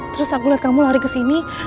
terus aku liat kamu lari kesini